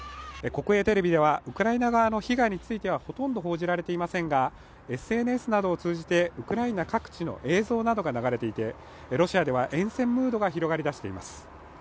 国営テレビではウクライナ側の被害についてはほとんど報じられていませんがＳＮＳなどを通じてウクライナ各地の映像などが流れていてロシアでは厭戦ムードが広がりだしています